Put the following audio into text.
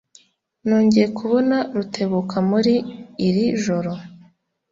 Nongeye kubona Rutebuka muri iri joro.